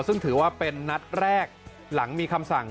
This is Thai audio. ซึ่งถือว่าเป็นนัดแรกหลังมีคำสั่ง